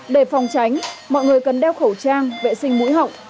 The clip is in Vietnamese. để phòng tránh mọi người cần đeo khẩu trang vệ sinh mũi họng